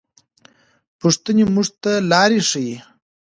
پوښتنې موږ ته لاره ښيي.